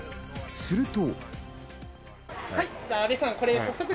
すると。